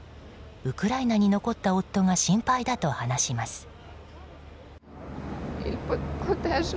ウクライナに残った夫が心配だと話します。